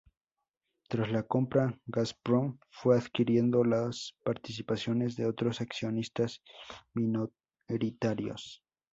Tras la compra, Gazprom fue adquiriendo las participaciones de otros accionistas minoritarios.